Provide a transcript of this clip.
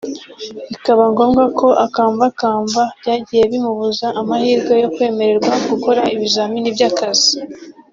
bikaba ngombwa ko akambakamba byagiye bimubuza amahirwe yo kwemererwa gukora ibizamini by’akazi